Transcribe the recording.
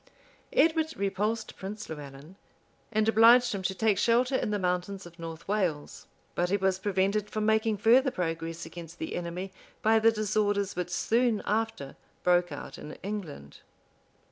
Edward repulsed Prince Lewellyn, and obliged him to take shelter in the mountains of North Wales: but he was prevented from making further progress against the enemy by the disorders which soon after broke out in England.